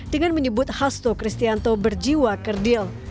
dengan menyebut hasto kristianto berjiwa kerdil